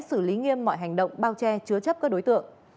và sẽ xử lý nghiêm mọi hành động bao che chứa chấp các đối tượng